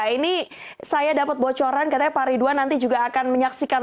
ini saya dapat bocoran katanya pak ridwan nanti juga akan menyaksikan